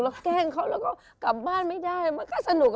แล้วแกล้งเขาแล้วก็กลับบ้านไม่ได้มันก็สนุก